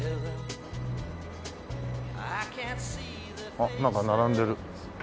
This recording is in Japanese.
あっなんか並んでる。